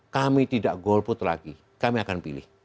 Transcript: kami tidak golput lagi kami akan pilih